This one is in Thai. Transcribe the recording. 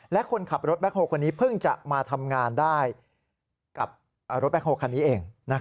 และคนขับรถแบ็คโฮคนนี้เพิ่งจะมาทำงานได้กับรถแคคโฮลคันนี้เอง